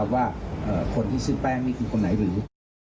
ว่าคนที่ชื่อแป้งนี่คือคนไหนหรือ